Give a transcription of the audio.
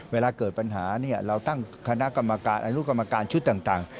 เวลาเกิดปัญหาเราตั้งคณะกรรมการอนุกรรมการชุดต่าง